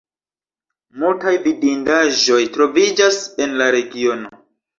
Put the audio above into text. Multaj vidindaĵoj troviĝas en la regiono.